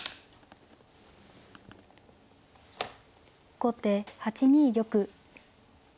後手８二玉。